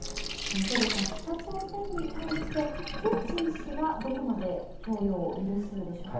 兵頭さん、北朝鮮に対してプーチン氏はどこまで供与を許すでしょうか。